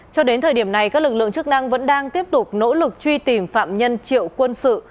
cho đến thời điểm này các lực lượng chức năng vẫn đang tiếp tục nỗ lực truy tìm phạm nhân triệu quân sự